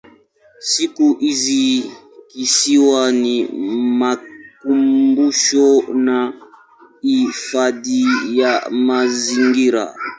Siku hizi kisiwa ni makumbusho na hifadhi ya mazingira.